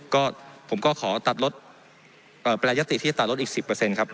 ก็ผมก็ขอตัดลดเอ่อเปรยะยัตริย์ที่จะตัดลดอีกสิบเปอร์เซ็นต์ครับ